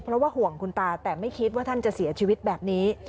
เพราะว่าห่วงคุณตาแต่ไม่คิดว่าท่านจะเสียชีวิตแบบนี้